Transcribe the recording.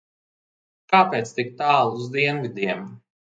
Kāpēc tik tālu uz dienvidiem?